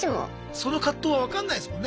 その葛藤は分かんないですもんね。